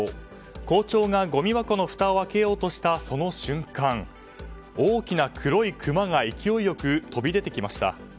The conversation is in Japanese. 校長が、ごみ箱のふたを開けようとしたその瞬間大きな黒いクマが勢いよく飛び出てきました。